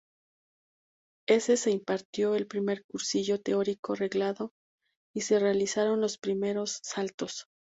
Ese se impartió el primer cursillo teórico reglado y se realizaron los primeros saltos.